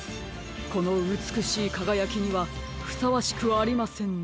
このうつくしいかがやきにはふさわしくありませんね。